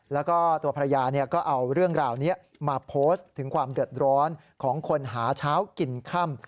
แล้วก็ตัวภรรยาก็เอาเรื่องราวนี้มาโพสต์ถึงความเดือดร้อนของคนหาเช้ากินค่ำ